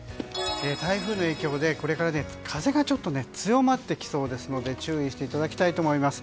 台風の影響でこれから風がちょっと強まってきそうですので注意していただきたいと思います。